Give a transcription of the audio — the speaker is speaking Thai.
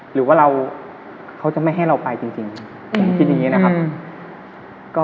หรือว่าเขาจะไม่ให้เราไปจริงคิดอย่างนี้นะครับ